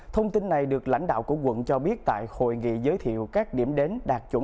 thông tin này được lãnh đạo của quận cho biết tại hội nghị giới thiệu các điểm đến đạt chuẩn